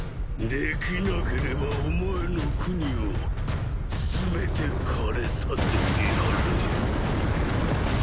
できなければお前の国を全て枯れさせてやる。